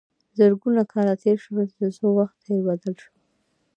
زرګونه کاله تیر شول تر څو وضعیت بدل شو.